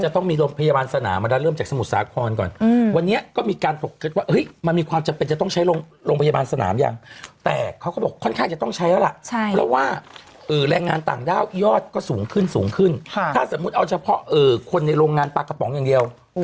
ถ้าสมมุติเอาเฉพาะคนในโรงงานปลากระป๋องอย่างเดียว